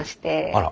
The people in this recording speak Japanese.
あら。